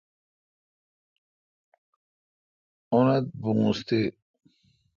اونتھ تہ بوس تی۔